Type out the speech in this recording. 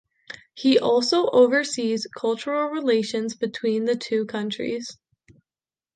He also oversees cultural relations between the two countries.